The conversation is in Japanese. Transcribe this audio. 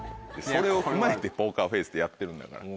それを踏まえてポーカーフェースでやってるんだから。